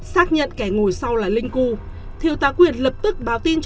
xác nhận kẻ ngồi sau là linh cưu thiêu tá quyền lập tức báo tin